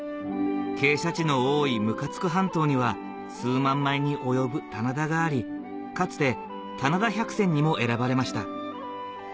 傾斜地の多い向津具半島には数万枚に及ぶ棚田がありかつて棚田百選にも選ばれました